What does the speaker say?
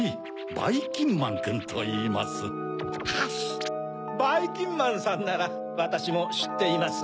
ばいきんまんさんならわたしもしっています。